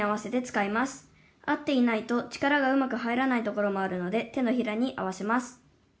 合っていないと力がうまく入らないところもあるので手のひらに合わせます」。